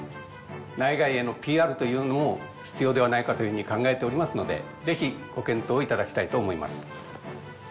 内外へのＰＲというのも必要ではないかというふうに考えておりますのでぜひご検討いただきたいと思います。